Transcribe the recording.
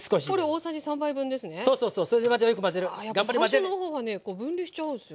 最初の方はね分離しちゃうんですよ。